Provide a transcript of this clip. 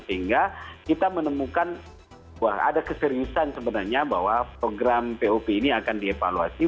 sehingga kita menemukan bahwa ada keseriusan sebenarnya bahwa program pop ini akan dievaluasi